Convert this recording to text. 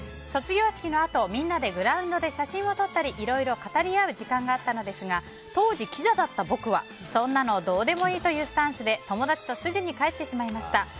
卒業式のあと、みんなでグラウンドで写真を撮ったりいろいろ語り合う時間があったのですが当時、キザだった僕はそんなのどうでもいいというスタンスで友達とすぐに帰ってしまいました。